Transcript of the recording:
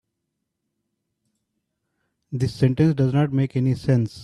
This sentence does not make any sense.